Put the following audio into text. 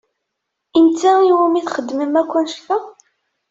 I netta i wumi txedmem akk annect-a?